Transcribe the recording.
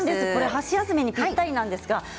箸休めにぴったりです。